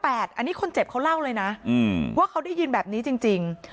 อันนี้คนเจ็บเขาเล่าเลยนะว่าเขาได้ยินแบบนี้จริง